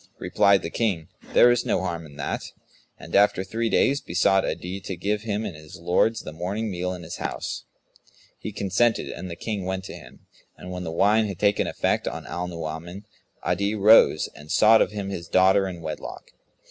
Replied the King, "There is no harm in that;" and after three days, besought Adi to give him and his lords the morning meal in his house. He consented and the King went to him; and when the wine had taken effect on Al Nu'uman, Adi rose and sought of him his daughter in wedlock.